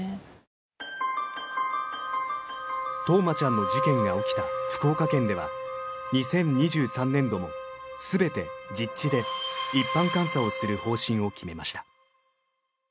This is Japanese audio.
冬生ちゃんの事件が起きた福岡県では２０２３年度も全て実地で一般監査をする方針を決めました。